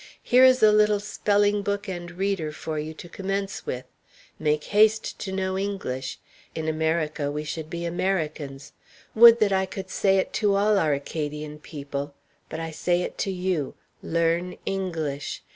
Here is a little spelling book and reader for you to commence with. Make haste to know English; in America we should be Americans; would that I could say it to all our Acadian people! but I say it to you, learn English.